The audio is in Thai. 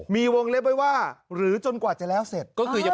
มีวงเล็บใช้ไว้ว่าอยู่จนกว่าจะเสร็จ